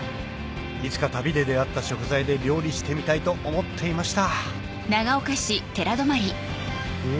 いつか旅で出合った食材で料理してみたいと思っていました